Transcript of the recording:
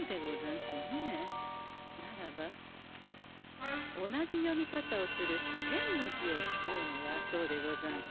ならば同じ読み方をする「天」の字を使うのはどうでござんす？